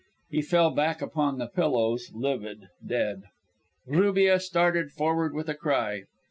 He fell back upon the pillows, livid, dead. Rubia started forward with a cry.